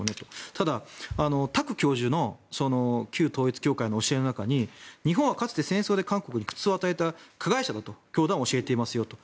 ただ、タク教授の旧統一教会の教えの中に日本はかつて戦争で韓国に苦痛を与えた加害者だと教えていますと。